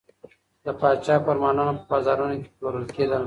د پاچا فرمانونه په بازارونو کې پلورل کېدل.